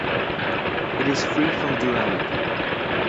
It is free from duality.